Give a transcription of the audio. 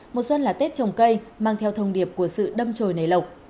mùa xuân là tết trồng cây mang theo thông điệp của sự đâm trồi này lộc